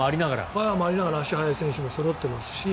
パワーもありながら足の速い選手もそろっていますし。